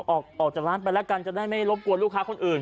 ออกจากร้านไปแล้วกันจะได้ไม่รบกวนลูกค้าคนอื่น